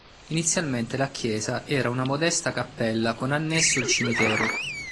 Inizialmente la chiesa era una modesta cappella con annesso il cimitero.